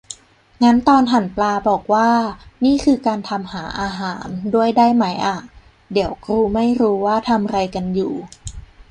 งั้นตอนหั่นปลาบอกว่า "นี่คือการทำหาอาหาร" ด้วยได้ไหมอ่ะ เดี๋ยวกรูไม่รู้ว่าทำไรกันอยู่